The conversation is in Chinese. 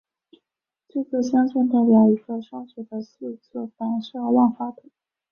这个镶嵌代表一个双曲的四次反射万花筒。